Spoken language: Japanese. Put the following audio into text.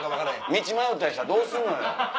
道迷ったりしたらどうすんのよ。